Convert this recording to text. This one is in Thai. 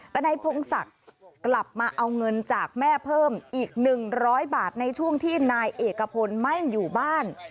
แต่นายพงศักดิ์กลับมาเอาเงินจากแม่เพิ่มอีก๑๐๐บาทในช่วงที่นายเอกพลไม่อยู่บ้าน